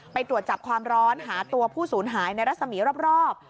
ไปตรวจจับความร้อนหาตัวผู้สูญหายในรัศมีรอบ